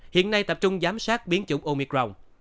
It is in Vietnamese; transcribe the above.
hiện nay tập trung giám sát biến chủng omicron